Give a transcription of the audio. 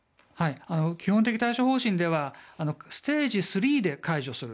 基本的対処方針ではステージ３で解除する。